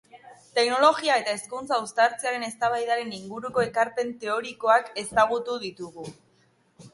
Teknologia eta hezkuntza uztartzearen eztabaidaren inguruko ekarpen teorikoak ezagutu ditugu.